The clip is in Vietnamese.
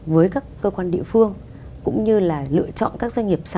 với các cơ quan địa phương cũng như là lựa chọn các doanh nghiệp sản phẩm